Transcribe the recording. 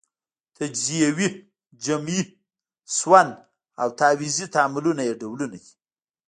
تجزیوي، جمعي، سون او تعویضي تعاملونه یې ډولونه دي.